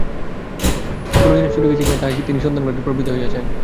কোনো জিনিস চুরি গেছে কি না তাহাই তিনি সন্ধান করিতে প্রবৃত্ত হইয়াছেন।